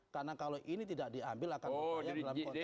karena kalau ini tidak diambil akan membayang dalam konteks masa depan